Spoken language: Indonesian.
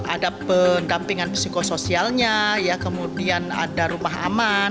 ada pendampingan psikososialnya ya kemudian ada rumah aman